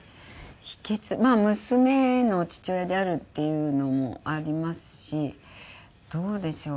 まあ娘の父親であるっていうのもありますしどうでしょう？